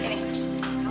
tolong aku ya